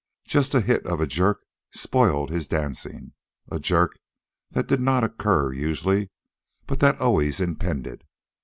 Just a hit of a jerk spoiled his dancing a jerk that did not occur, usually, but that always impended.